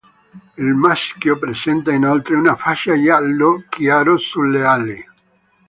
Il maschio presenta inoltre una fascia giallo chiaro sulle ali.